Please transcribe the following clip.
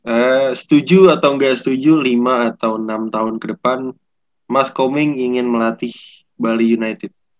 saya setuju atau enggak setuju lima atau enam tahun ke depan mas koming ingin melatih bali united